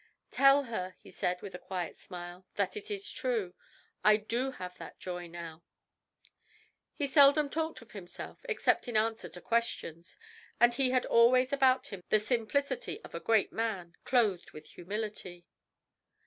"Tell her," he said, with a quiet smile, "that it is true. I DO have that joy now." He seldom talked of himself except in answer to questions, and he had always about him the simplicity of a great man "clothed with humility."